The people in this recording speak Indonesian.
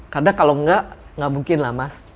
karena kalau tidak tidak mungkin mas